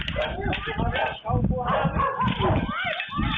ไม่ใช่จอส่วนตี้หลักอีก